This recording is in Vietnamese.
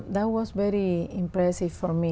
đã đến cuba